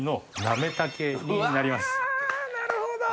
なるほど！